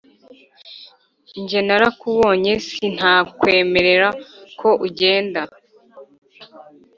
njye narakubonye sintakwemera ko ugenda